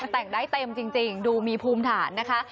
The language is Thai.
แต่งได้เต็มจริงดูมีภูมิฐานนะคะ